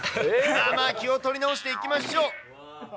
まあまあ、気を取り直していきましょう。